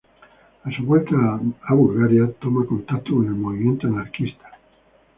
A su vuelta a Bulgaria, toma contacto con el movimiento anarquista.